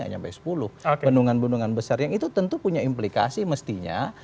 yang itu tentu punya implikasi mestinya